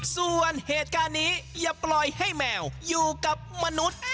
ส่วนเหตุการณ์นี้อย่าปล่อยให้แมวอยู่กับมนุษย์